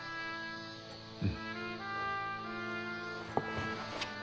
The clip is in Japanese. うん。